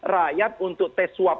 rakyat untuk tes swab